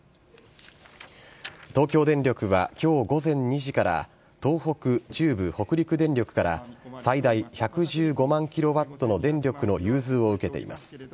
東京電力は今日午前２時から東北・中部・北陸電力から最大１１５万ＫＷの電力の融通を受けています。